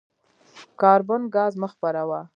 کاربن ګاز مه خپروه.